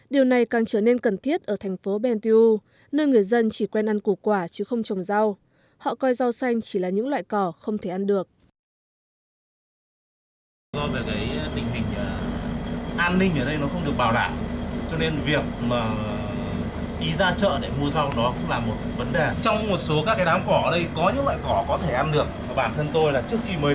điều này càng trở nên cần thiết ở thành phố ben tu nơi người dân chỉ quen ăn củ quả chứ không trồng rau họ coi rau xanh chỉ là những loại cỏ không thể ăn được